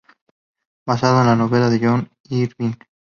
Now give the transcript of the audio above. Basado en la novela de John Irving.